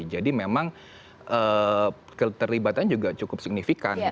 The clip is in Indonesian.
jadi memang keterlibatan juga cukup signifikan